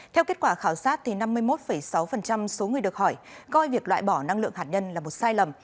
theo kết quả khảo sát năm mươi một sáu số người được hỏi coi việc loại bỏ năng lượng hạt nhân là một sai lầm